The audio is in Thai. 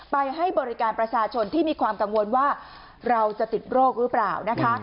ให้บริการประชาชนที่มีความกังวลว่าเราจะติดโรคหรือเปล่านะคะ